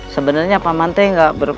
sebenarnya paman tuh gak ber